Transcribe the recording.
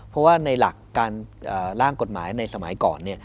เพราะว่าในหลักการร่างกฎหมายในสมัยก่อน